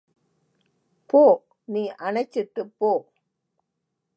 போ, நீ அனைச்சுட்டுப் போ.